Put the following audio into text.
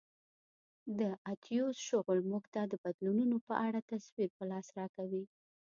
د اتیوس شغل موږ ته د بدلونونو په اړه تصویر په لاس راکوي